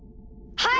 はい！